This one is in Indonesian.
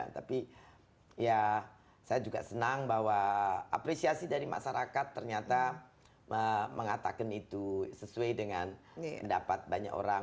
tapi ya saya juga senang bahwa apresiasi dari masyarakat ternyata mengatakan itu sesuai dengan pendapat banyak orang